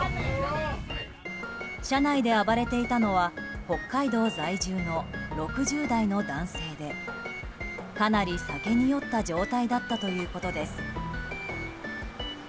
車内で暴れていたのは北海道在住の６０代の男性でかなり酒に酔った状態だったということです。